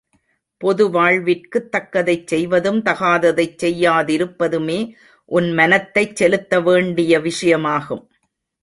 பொது வாழ்விற்குத் தக்கதைச் செய்வதும் தகாததைச் செய்யாதிருப்பதுமே உன் மனத்தைச் செலுத்தவேண்டிய விஷயமாகும்.